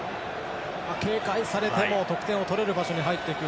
警戒されても得点を取れる場所に入っていく。